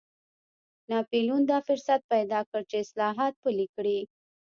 ناپلیون دا فرصت پیدا کړ چې اصلاحات پلي کړي.